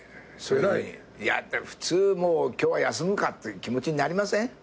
だって普通今日は休むかって気持ちになりません？